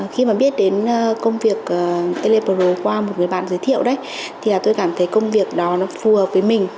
khi mà biết đến công việc telepro qua một người bạn giới thiệu đấy thì là tôi cảm thấy công việc đó nó phù hợp với mình